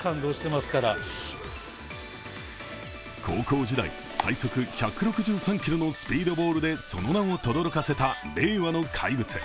高校時代、最速１６３キロのスピードボールでその名をとどろかせた令和の怪物。